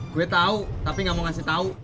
gue tau tapi gak mau kasih tau